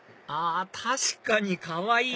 確かにかわいい！